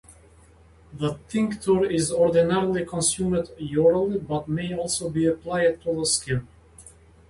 The tincture is ordinarily consumed orally, but may also be applied to the skin.